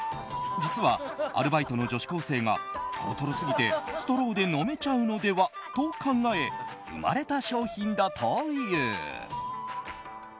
実は、アルバイトの女子高生がトロトロ過ぎて、ストローで飲めちゃうのではと考え生まれた商品だという。